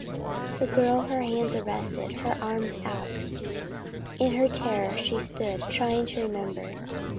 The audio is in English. The girl, her hands arrested, her arms out, in her terror, stood trying to remember.